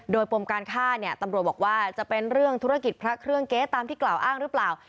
โดยปมการฆ่าเนี่ยตำรวจบอกว่าจะเป็นเรื่องธุรกิจพระเครื่องเก๊ตามที่กล่าวอ้างหรือเปล่า